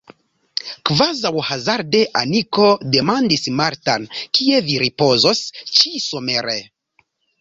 Kvazaŭ hazarde Aniko demandis Martan: Kie vi ripozos ĉi-somere?